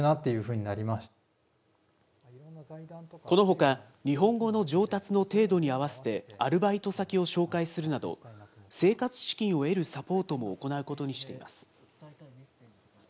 このほか、日本語の上達の程度に合わせて、アルバイト先を紹介するなど、生活資金を得るサポートも行うことにしています。